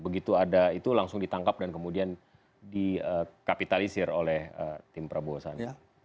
begitu ada itu langsung ditangkap dan kemudian dikapitalisir oleh tim prabowo sandi